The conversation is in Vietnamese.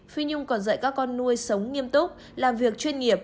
phi nhung còn dạy các con nuôi sống nghiêm túc làm việc chuyên nghiệp